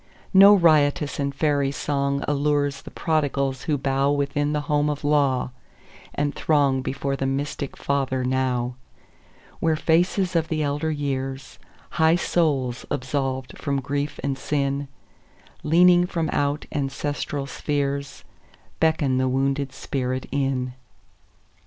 No riotous and fairy songAllures the prodigals who bowWithin the home of law, and throngBefore the mystic Father now, Where faces of the elder years, High souls absolved from grief and sin, Leaning from out ancestral spheresBeckon the wounded spirit in.